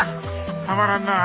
たまらんなあ。